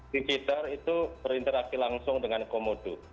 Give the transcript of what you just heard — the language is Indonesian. bisa itu berinteraksi langsung dengan komodo